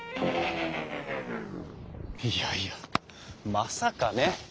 いやいやまさかね。